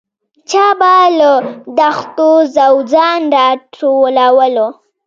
چا به له دښتو ځوځان راټولول.